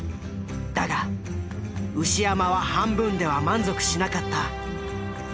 だが牛山は半分では満足しなかった。